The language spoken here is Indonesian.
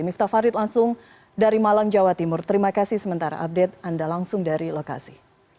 miftah farid langsung dari malang jawa timur terima kasih sementara update anda langsung dari lokasi